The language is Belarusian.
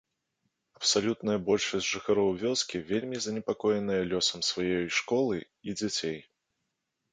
Абсалютная большасць жыхароў вёскі вельмі занепакоеныя лёсам сваёй школы і дзяцей.